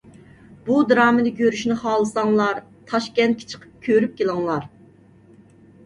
بۇ دىرامىنى كۆرۈشنى خالىساڭلار، تاشكەنتكە چىقىپ كۆرۈپ كېلىڭلار.